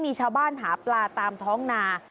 มีชาวบ้านหาปลาตามท้องนา